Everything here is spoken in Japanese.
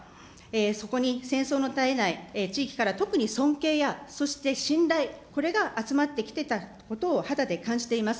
そこに戦争の絶えない地域から特に尊敬や、そして信頼、これが集まってきてたことを肌で感じています。